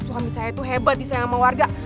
suami saya itu hebat di sayang sama warga